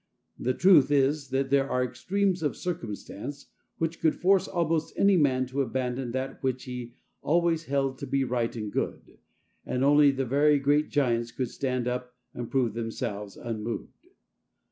The truth is that there are extremes of circumstance which could force almost any man to abandon that which he has always held to be right and good, and only the very giants could stand up and prove themselves unmoved.